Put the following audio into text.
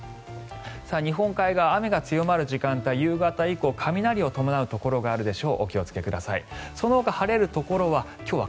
日本海側、雨が強まる時間帯夕方以降雷を伴うところがあるでしょう。